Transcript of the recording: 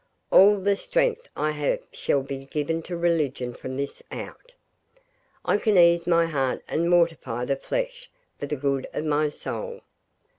All the strength I have shall be given to religion from this out. I can ease my heart and mortify the flesh for the good of my soul.